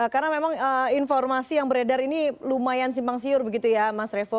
karena memang informasi yang beredar ini lumayan simpang siur begitu ya mas revo